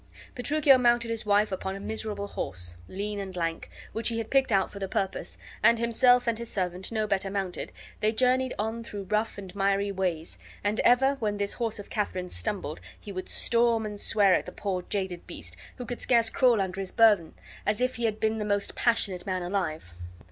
Petruchio mounted his wife upon a miserable horse, lean and lank, which he had picked out for the purpose, and, himself and his servant no better mounted, they journeyed on through rough and miry ways, and ever when this horse of Katharine's stumbled he would storm and swear at the poor jaded beast, who could scarce crawl under his burthen, as if he had been the most passionate man alive.